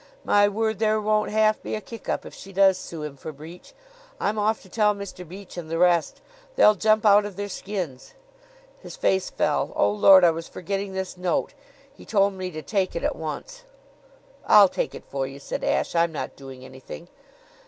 My word! There won't half be a kick up if she does sue him for breach! I'm off to tell Mr. Beach and the rest. They'll jump out of their skins." His face fell. "Oh, Lord, I was forgetting this note. He told me to take it at once." "I'll take it for you," said Ashe. "I'm not doing anything."